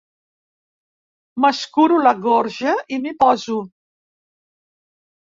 M'escuro la gorja i m'hi poso.